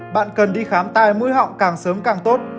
bạn cần đi khám tai mũi họng càng sớm càng tốt